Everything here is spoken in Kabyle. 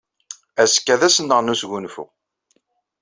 Azekka d ass-nneɣ n wesgunfu.